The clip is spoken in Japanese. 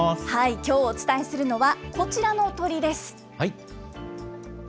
きょうお伝えするのはこちらの鳥です。